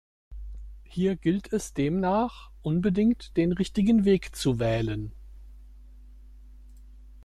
Hier gilt es demnach, unbedingt den richtigen Weg zu wählen!